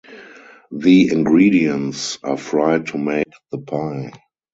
The ingredients are fried to make the pie.